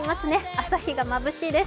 朝日がまぶしいです。